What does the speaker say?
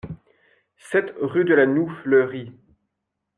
sept rue de la Noue Fleurie